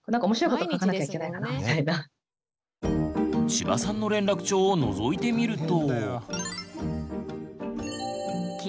千葉さんの連絡帳をのぞいてみると。